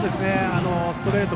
ストレート